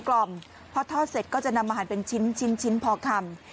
กล่อมพอทอดเสร็จก็จะนำอาหารเป็นชิ้นพอคำ